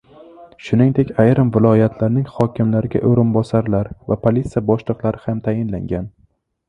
Shuningdek, ayrim viloyatlarning hokimlariga o‘rinbosarlar va politsiya boshliqlari ham tayinlangan